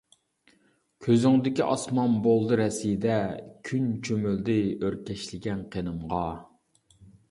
كۆزۈڭدىكى ئاسمان بولدى رەسىدە، كۈن چۆمۈلدى ئۆركەشلىگەن قېنىمغا.